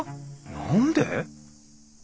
何で？